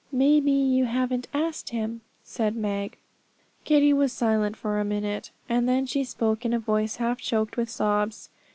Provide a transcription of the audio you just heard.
'May be you haven't asked Him,' said Meg. Kitty was silent for a minute, and then she spoke in a voice half choked with sobs.